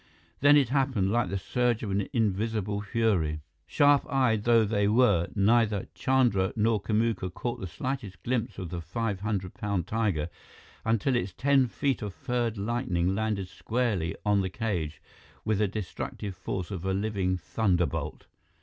Then it happened, like the surge of an invisible fury. Sharp eyed though they were, neither Chandra nor Kamuka caught the slightest glimpse of the five hundred pound tiger until its ten feet of furred lightning landed squarely on the cage with the destructive force of a living thunderbolt.